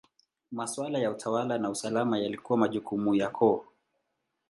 Maswala ya utawala na usalama yalikuwa majukumu ya koo.